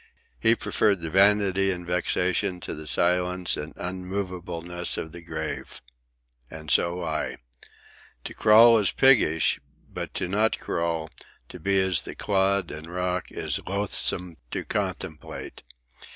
He preferred the vanity and vexation to the silence and unmovableness of the grave. And so I. To crawl is piggish; but to not crawl, to be as the clod and rock, is loathsome to contemplate.